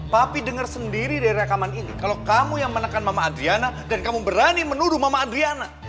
tapi dengar sendiri dari rekaman ini kalau kamu yang menekan mama adriana dan kamu berani menuduh mama adriana